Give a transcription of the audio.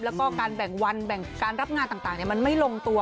แล้วก็การแบ่งวันแบ่งการรับงานต่างมันไม่ลงตัว